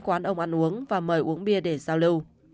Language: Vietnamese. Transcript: quán ông ăn uống và mời uống bia để giao lưu